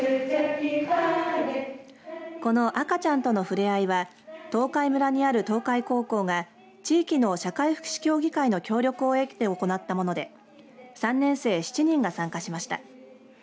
この赤ちゃんとのふれあいは東海村にある東海高校が地域の社会福祉協議会の協力を得て行ったもので３年生７人が参加しました。